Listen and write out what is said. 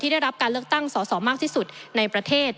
ได้รับการเลือกตั้งสอสอมากที่สุดในประเทศ